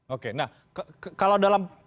oke nah kalau dalam